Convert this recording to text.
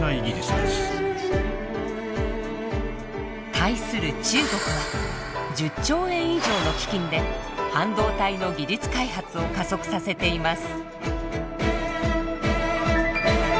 対する中国は１０兆円以上の基金で半導体の技術開発を加速させています。